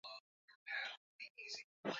kwa silaha haramu limefanyika nchini tanzania